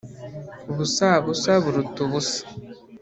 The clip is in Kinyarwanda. Ubusabusa buruta ubusa